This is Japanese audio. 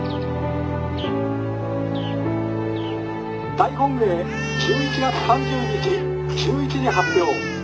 「大本営１１月３０日１１時発表。